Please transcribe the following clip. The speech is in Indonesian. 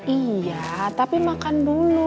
iya tapi makan dulu